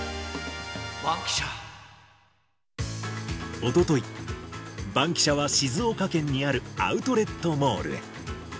おととい、バンキシャは静岡県にあるアウトレットモールへ。